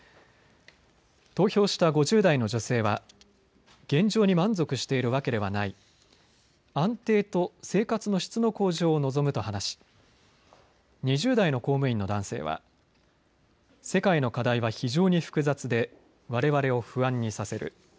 投票した５０代の女性は現状に満足しているわけではない安定と生活の質の向上を望むと話し２０代の公務員の男性は世界の課題は非常に複雑でわれわれを不安にさせる。